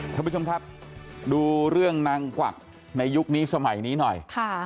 ท่านผู้ชมครับดูเรื่องนางกวักในยุคนี้สมัยนี้หน่อย